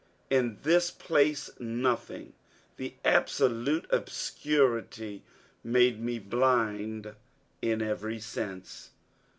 In this place nothing the absolute obscurity made me blind in every sense.